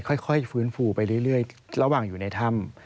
ค่อยฟื้นฟูไปเรื่อยระหว่างอยู่ในถ้ำ